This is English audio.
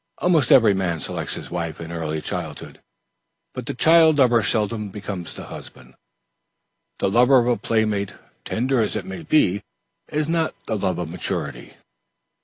Almost every man selects his wife in his early boyhood; but the child lover seldom becomes the husband. The love of a play mate, tender as it may be, is not the love of maturity.